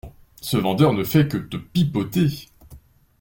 Ce vendeur ne fait que te pipeauter.